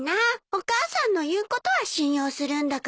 お母さんの言うことは信用するんだから。